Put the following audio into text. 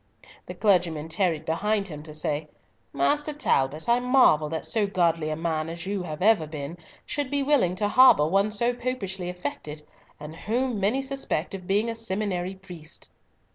The clergyman tarried behind him to say, "Master Talbot, I marvel that so godly a man as you have ever been should be willing to harbour one so popishly affected, and whom many suspect of being a seminary priest."